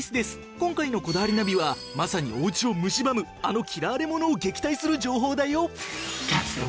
今回の『こだわりナビ』はまさにお家をむしばむあの嫌われ者を撃退する情報だよ。